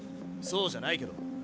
そうじゃないけど。